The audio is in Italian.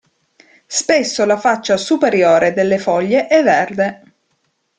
Spesso la faccia superiore delle foglie è verde.